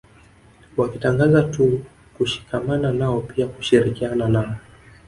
Wakitangaza tu kushikamana nao pia kushirikiana nao